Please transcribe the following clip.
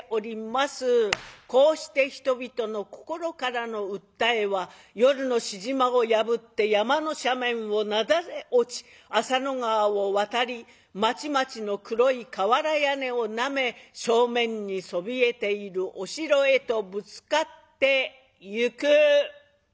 こうして人々の心からの訴えは夜のしじまを破って山の斜面をなだれ落ち浅野川を渡り町々の黒い瓦屋根をなめ正面にそびえているお城へとぶつかってゆく。